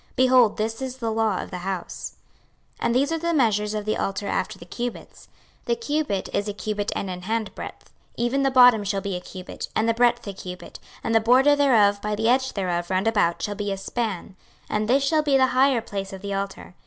Behold, this is the law of the house. 26:043:013 And these are the measures of the altar after the cubits: The cubit is a cubit and an hand breadth; even the bottom shall be a cubit, and the breadth a cubit, and the border thereof by the edge thereof round about shall be a span: and this shall be the higher place of the altar.